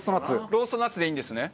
ローストナッツでいいんですね。